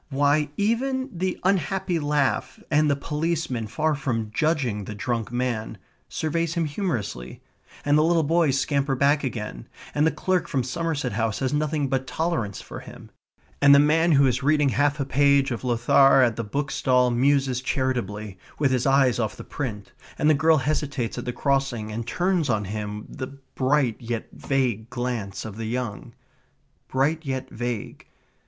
Why, even the unhappy laugh, and the policeman, far from judging the drunk man, surveys him humorously, and the little boys scamper back again, and the clerk from Somerset House has nothing but tolerance for him, and the man who is reading half a page of Lothair at the bookstall muses charitably, with his eyes off the print, and the girl hesitates at the crossing and turns on him the bright yet vague glance of the young. Bright yet vague.